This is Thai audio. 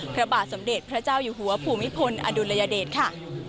พระบาทสมเด็จพระเจ้าอยู่หัวภูมิพลอดุลยเดชค่ะ